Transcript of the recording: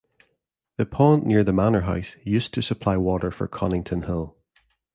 The pond near the Manor House used to supply water for Conington Hall.